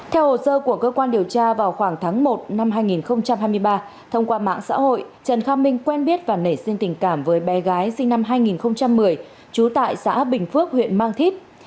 theo hồ sơ của cơ quan điều tra vào khoảng tháng một năm hai nghìn hai mươi ba thông qua mạng xã hội trần kha minh quen biết và nảy sinh tình cảm với bé gái sinh năm hai nghìn một mươi trú tại xã bình phước huyện mang thít